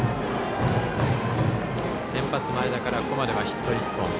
先発の前田からここまでヒット１本。